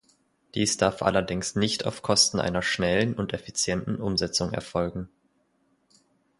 Dies darf allerdings nicht auf Kosten einer schnellen und effizienten Umsetzung erfolgen.